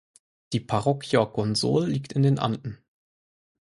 Die Parroquia Gonzol liegt in den Anden.